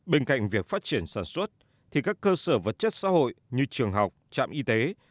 bên cạnh việc phát triển sản xuất thì các cơ sở vật chất xã hội như trường học trạm y tế